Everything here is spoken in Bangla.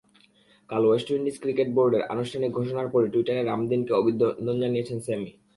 কাল ওয়েস্ট ইন্ডিজ ক্রিকেট বোর্ডের আনুষ্ঠানিক ঘোষণার পরই টুইটারে রামদিনকে অভিনন্দন জানিয়েছেন স্যামি।